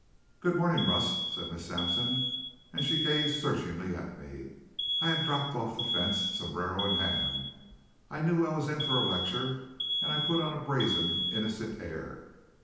"Good morning, Russ," said Miss Sampson and she gazed searchingly at me. I had dropped off the fence, sombrero in hand. I knew I was in for a lecture, and I put on a brazen, innocent air.